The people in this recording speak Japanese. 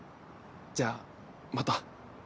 じゃあまた。